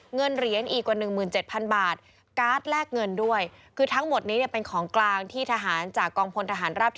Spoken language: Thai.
เงินเหรียญอีกกว่า๑๗๐๐๐บาท